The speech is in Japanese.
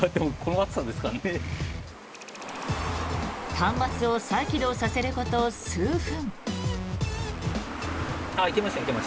端末を再起動させること数分。